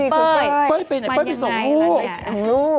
เบ้ยไปส่งลูก